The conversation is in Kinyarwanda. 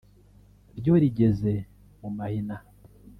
ryo rigeze mu mahina